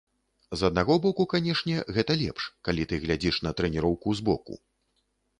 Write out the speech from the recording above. З аднаго боку, канешне, гэта лепш, калі ты глядзіш на трэніроўкі збоку.